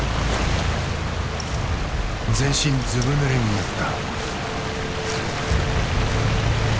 全身ずぶぬれになった。